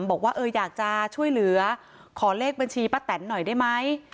บอกว่าอยากจะช่วยเหลือขอเลขบัญชีป้าแตนหน่อยได้ไหม